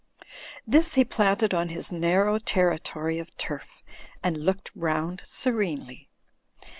This he planted on his narrow territory of turf and looked round serenely.